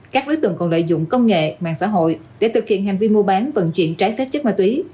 các đối tượng còn lợi dụng công nghệ mạng xã hội để thực hiện hành vi mua bán vận chuyển trái phép chất ma túy